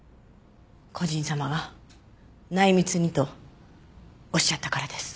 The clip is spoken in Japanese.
故人様が内密にとおっしゃったからです。